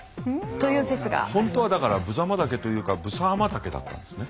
本当はだからぶざま岳というかブサーマ岳だったんですね。